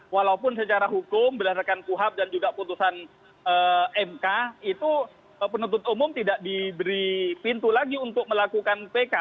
walaupun secara hukum berdasarkan kuhab dan juga putusan mk itu penuntut umum tidak diberi pintu lagi untuk melakukan pk